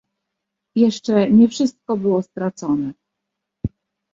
"Jeszcze nie wszystko było stracone."